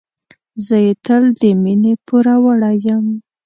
زه یې تل د مینې پوروړی یم.